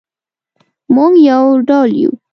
مونږ یو ډول یو